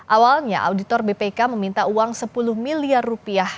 awalnya auditor bpk meminta uang sepuluh miliar rupiah